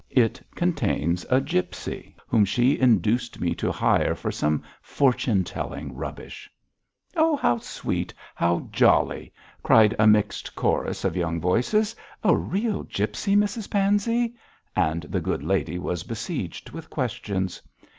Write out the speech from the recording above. It contains a gipsy, whom she induced me to hire for some fortune telling rubbish.' 'Oh, how sweet! how jolly!' cried a mixed chorus of young voices. 'A real gipsy, Mrs Pansey?' and the good lady was besieged with questions.